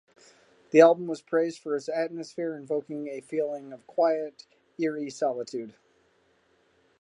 The album was praised for its atmosphere, evoking a feeling of quiet, eerie solitude.